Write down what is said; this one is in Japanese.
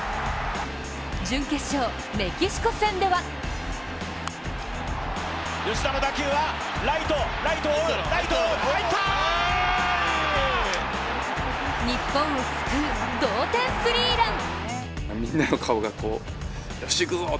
準決勝・メキシコ戦では日本を救う同点スリーラン。